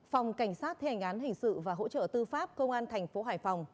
phòng cảnh sát thế hành án hình sự và hỗ trợ tư pháp công an tp hải phòng